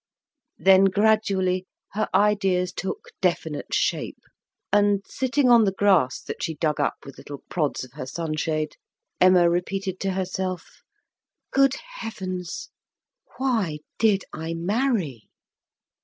Then gradually her ideas took definite shape, and, sitting on the grass that she dug up with little prods of her sunshade, Emma repeated to herself, "Good heavens! Why did I marry?"